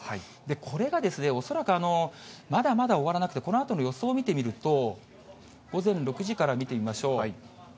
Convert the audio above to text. これが、恐らくまだまだ終わらなくて、このあとの予想を見てみると、午前６時から見てみましょう。